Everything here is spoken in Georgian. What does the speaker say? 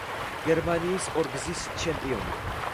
გერმანიის ორგზის ჩემპიონი.